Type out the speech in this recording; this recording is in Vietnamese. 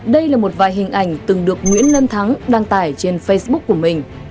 đây là một vài hình ảnh từng được nguyễn lân thắng đăng tải trên facebook của mình